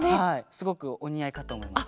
すごくおにあいかとおもいます。